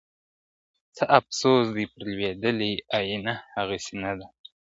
څه افسون دی پر لوېدلی آیینه هغسي نه ده `